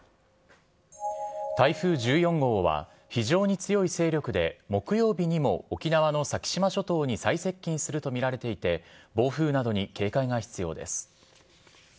台風１４号は非常に強い勢力で木曜日にも沖縄の先島諸島に最接近すると見られていて、暴風などに警戒が必要です。